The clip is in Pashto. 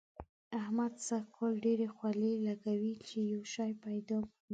احمد سږ کال ډېرې خولې لګوي چي يو شی پيدا کړي.